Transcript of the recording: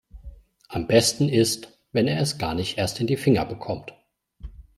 Am besten ist, wenn er es gar nicht erst in die Finger bekommt.